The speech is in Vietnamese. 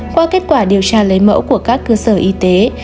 qua kết quả điều tra lấy mẫu của các cơ sở y tế